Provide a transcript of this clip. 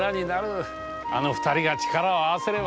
あの二人が力を合わせればな。